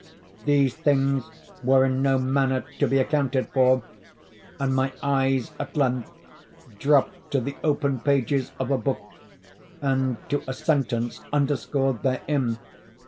These things were in no manner to be accounted for, and my eyes at length dropped to the open pages of a book, and to a sentence underscored therein.